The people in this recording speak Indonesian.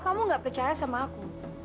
kamu gak percaya sama aku